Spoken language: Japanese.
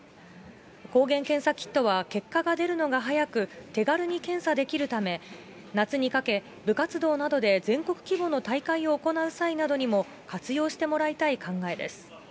抗原検査キットは結果が出るのが早く、手軽に検査できるため、夏にかけ、部活動などで全国規模の大会を行う際などにも活用してもらいたい考えです。